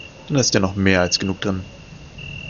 Dann ist ja noch mehr als genug drin.